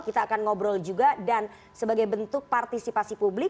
kita akan ngobrol juga dan sebagai bentuk partisipasi publik